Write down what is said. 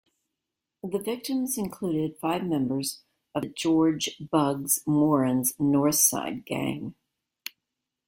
The victims included five members of George "Bugs" Moran's North Side Gang.